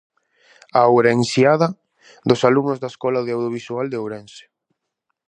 A "Ourensíada" dos alumnos da Escola de Audiovisual de Ourense.